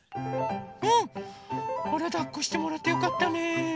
あらだっこしてもらってよかったね。